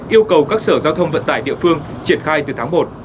yêu cầu các sở giao thông vận tải địa phương triển khai từ tháng một